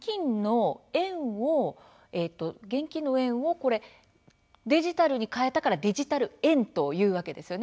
現金の円をデジタルに替えたからデジタル円というわけですね